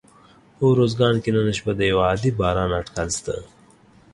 په اروزګان کي نن شپه د یوه عادي باران اټکل سته